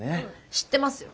知ってますよ。